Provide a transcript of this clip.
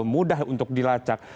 mudah untuk dilacak